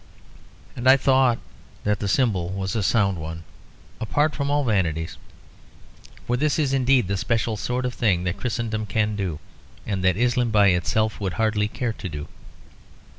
And I thought that the symbol was a sound one, apart from all vanities; for this is indeed the special sort of thing that Christendom can do, and that Islam by itself would hardly care to do.